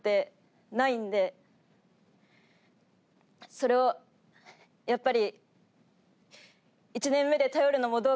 それをやっぱり。